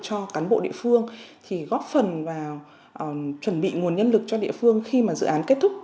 của địa phương thì góp phần vào chuẩn bị nguồn nhân lực cho địa phương khi mà dự án kết thúc